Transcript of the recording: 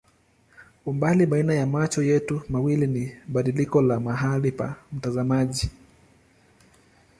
Umbali baina ya macho yetu mawili ni badiliko la mahali pa mtazamaji.